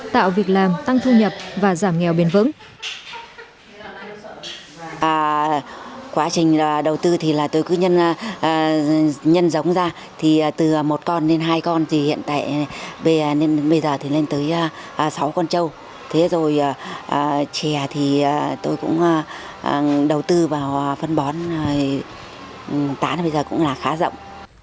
tạo việc làm tăng thu nhập và giảm nghèo bền vững